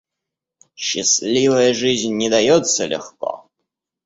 Счастливая жизнь не дается легко.